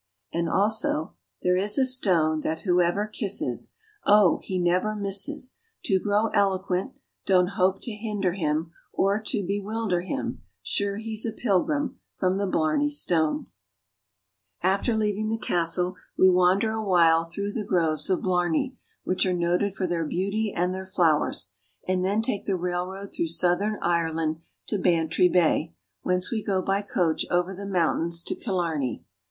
And also :—" There is a stone That whoever kisses, Oh ! he never misses To grow eloquent, Don't hope to hinder him, Or to bewilder him, Sure he's a pilgrim From the Blarney Stone." && m m Jalfl .., .If USSSi m ■3 . "'jT^'rf "^ 1 ^^^i^ Jsg^llNre^:' '.'"*"•' Blarney Castle. 2 4 IRELAND. After leaving the castle we wander awhile through the Groves of Blarney, which are noted for their beauty and their flowers, and then take the railroad through southern Ireland to Bantry Bay, whence we go by coach over the mountains to Killarney.